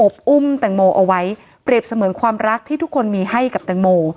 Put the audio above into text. อุ้มแตงโมเอาไว้เปรียบเสมือนความรักที่ทุกคนมีให้กับแตงโม